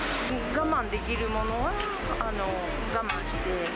我慢できるものは我慢して。